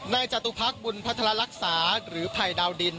ในจตุภักดิ์บุญพระธรรมรักษาหรือภัยดาวดิน